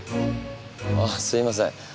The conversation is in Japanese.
あっすいません